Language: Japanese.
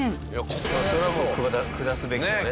これはもう下すべきだね。